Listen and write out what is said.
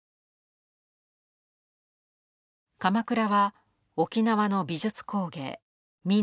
鎌倉は沖縄の美術工芸民俗